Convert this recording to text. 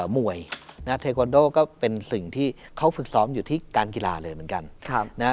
มวยเทควันโดก็เป็นสิ่งที่เขาฝึกซ้อมอยู่ที่การกีฬาเลยเหมือนกัน